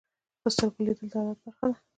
په سترګو لیدل د عادت برخه ده